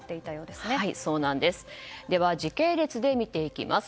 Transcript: では時系列で見ていきます。